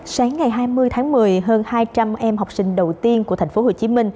sáng ngày hai mươi tháng một mươi hơn hai trăm linh em học sinh đầu tiên của tp hcm